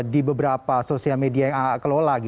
di beberapa sosial media yang aa kelola